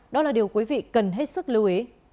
đó là điều quý vị cần hết sức lưu ý